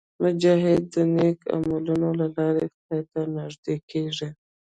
مجاهد د نیک عملونو له لارې خدای ته نږدې کېږي.